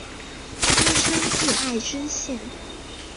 出身自爱知县。